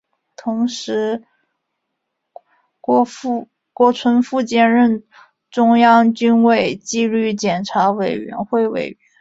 同时郭春富兼任中央军委纪律检查委员会委员。